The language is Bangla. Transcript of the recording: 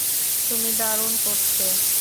তুমি দারুণ করছো।